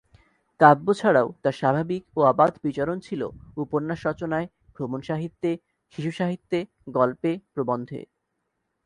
কাব্য ছাড়াও তার স্বাভাবিক ও অবাধ বিচরণ বিচরণ ছিল উপন্যাস রচনায়, ভ্রমণ সাহিত্যে, শিশু সাহিত্যে গল্পে, প্রবন্ধে।